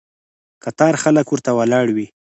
قطار خلک ورته ولاړ وي.